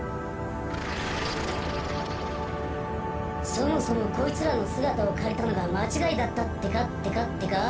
そもそもこいつらのすがたをかりたのがまちがいだったってかってかってか。